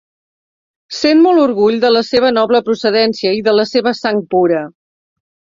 Sent molt orgull de la seva noble procedència i de la seva sang pura.